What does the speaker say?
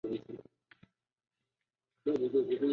在选择的第三方服务上亦可能产生价格歧视。